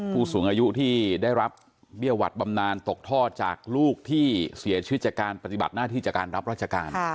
ผู้สูงอายุที่ได้รับเบี้ยหวัดบำนานตกท่อจากลูกที่เสียชีวิตจากการปฏิบัติหน้าที่จากการรับราชการ